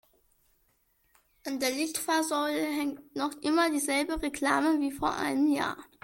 An der Litfaßsäule hängt noch immer die selbe Reklame wie vor einem Jahr.